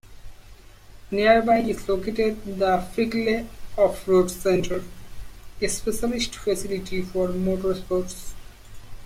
Nearby is located the Frickley Off-road Centre, a specialist facility for motorsports.